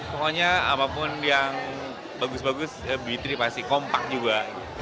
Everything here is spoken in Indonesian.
pokoknya apapun yang bagus bagus b tiga pasti kompak juga